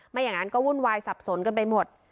อย่างนั้นก็วุ่นวายสับสนกันไปหมด